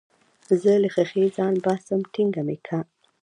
زه له ښيښې ځان باسم ټينګه مې که.